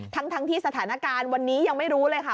ทั้งที่สถานการณ์วันนี้ยังไม่รู้เลยค่ะ